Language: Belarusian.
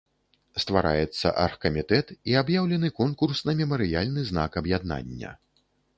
Ствараецца аргкамітэт і аб'яўлены конкурс на мемарыяльны знак аб'яднання.